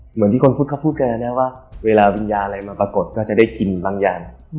เหมือนที่คนพุทธเขาพูดกันนะว่าเวลาวิญญาณอะไรมาปรากฏก็จะได้กินบางอย่าง